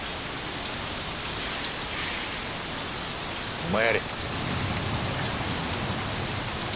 お前やれ。